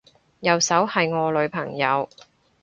右手係我女朋友